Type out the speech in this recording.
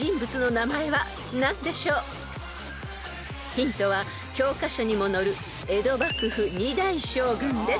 ［ヒントは教科書にも載る江戸幕府２代将軍です］